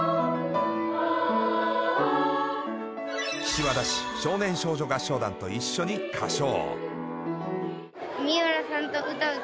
岸和田市少年少女合唱団と一緒に歌唱。